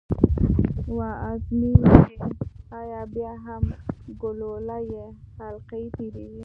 و ازمايئ چې ایا بیا هم ګلوله له حلقې تیریږي؟